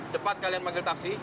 cepat kalian panggil taksi